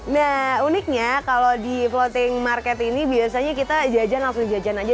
nah uniknya kalau di floating market ini biasanya kita jajan langsung jajan aja